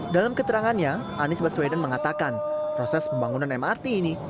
dalam keterangannya anies baswedan mengatakan proses pembangunan mrt ini